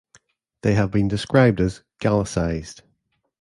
They have been described as "Gallicised".